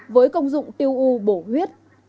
với công dụng tiêu u bổ huyết